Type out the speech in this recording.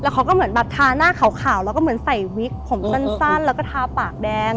เขาก็เหมือนแบบทาหน้าขาวแล้วก็เหมือนใส่วิกผมสั้นแล้วก็ทาปากแดง